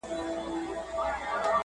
چي بیا له ناکامه د اختر اوله ورځ